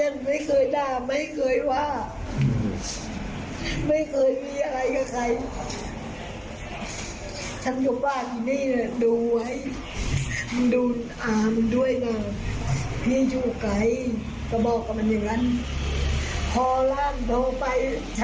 แต่ที่น้ำยาเยอะเกินไป